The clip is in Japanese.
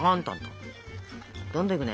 どんどんいくね！